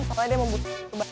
soalnya dia mau busur ke basi